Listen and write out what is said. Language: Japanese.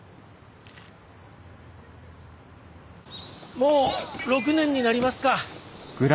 もう６年になりますか。